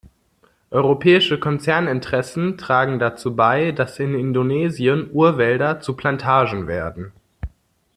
Europäische Konzerninteressen tragen dazu bei, dass in Indonesien Urwälder zu Plantagen werden.